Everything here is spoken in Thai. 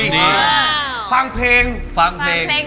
ฟังเพลงฟังเพลงฟังเพลงไทย